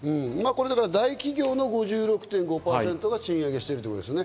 大企業の５６．５％が賃上げしているということですね。